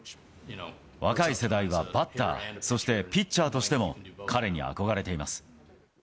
若い世代はバッター、そしてピッチャーとしても彼に憧れています。